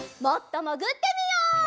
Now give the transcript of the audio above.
もっともぐってみよう！